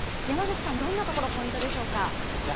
山口さん、どんなところがポイントでしょうか？